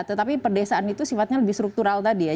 tetapi pedesaan itu sifatnya lebih struktural tadi ya